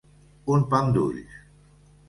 Un pam d'ulls.